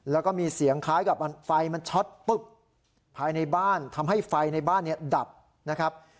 แล้วก็มีเสียงคล้ายกับไฟมันช็อตปุ๊บภายในบ้านทำให้ไฟในบ้านเนี่ยดับนะครับ